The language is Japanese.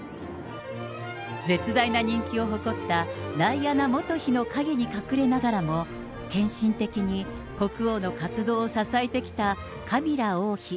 絶大な人気を誇ったダイアナ元妃の陰に隠れながらも、献身的に国王の活動を支えてきたカミラ王妃。